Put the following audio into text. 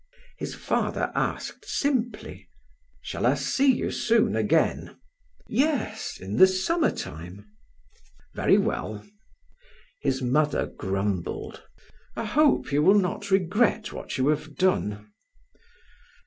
His father asked simply: "Shall I see you soon again?" "Yes in the summer time." "Very well." His mother grumbled: "I hope you will not regret what you have done."